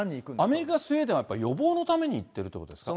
アメリカ、スウェーデンはやっぱ予防のために行ってるってことですか。